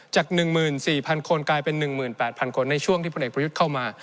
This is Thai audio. จาก๑๔๐๐คนกลายเป็น๑๘๐๐คนในช่วงที่พลเอกประยุทธ์เข้ามา